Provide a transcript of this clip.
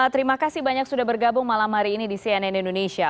terima kasih banyak sudah bergabung malam hari ini di cnn indonesia